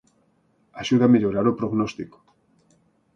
Axuda a mellorar o prognóstico.